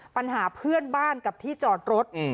ปัญหาเพื่อนบ้านกับที่จอดรถ